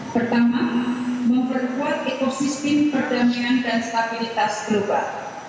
pertama memperkuat ekosistem perdamaian dan stabilitas global